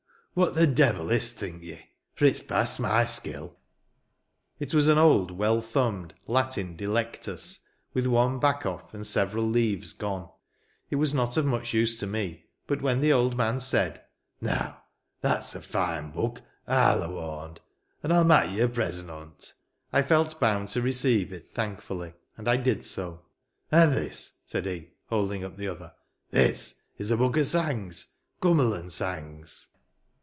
What the devil is't, think ye? For it's past my skill." It was an old, well thumbed, Latin Delectus, with one back off, and several leaves gone. It was not of much use to me ; but when the old man said, " Now, that's a fine book, I'll awarnd; an T I'll mak 1 " ye a present on't," I felt bound to receive it thankfully; and I did so. "An' this," said he, holding up the other; "this is a book o* sangs. Cummerlan' sangs."